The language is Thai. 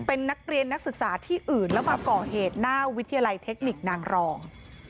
เป็นนักเรียนนักศึกษาที่อื่นแล้วมาก่อเหตุหน้าวิทยาลัยเทคนิคนางรอง